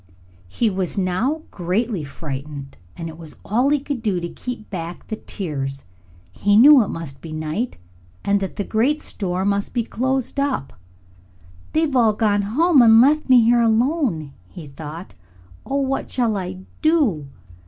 He was now greatly frightened and it was all he could do to keep back the tears. He knew it must be night and that the great store must be closed up. "They have all gone home and left me here alone," he thought. "Oh, what shall I do?"